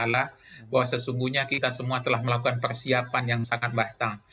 bahwa sesungguhnya kita semua telah melakukan persiapan yang sangat batang